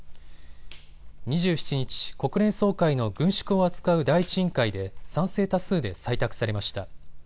２７日、国連総会の軍縮を扱う第１委員会で賛成多数で採択されました。